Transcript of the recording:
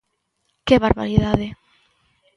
Que barbaridade!